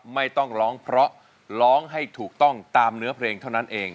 ไม่ต้องร้องเพราะร้องให้ถูกต้องตามเนื้อเพลงเท่านั้นเอง